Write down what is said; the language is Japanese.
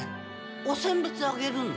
おせん別あげるの？